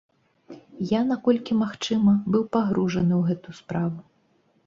Я, наколькі магчыма, быў пагружаны ў гэту справу.